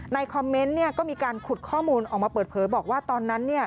คอมเมนต์ก็มีการขุดข้อมูลออกมาเปิดเผยบอกว่าตอนนั้น